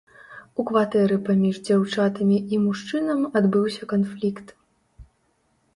У кватэры паміж дзяўчатамі і мужчынам адбыўся канфлікт.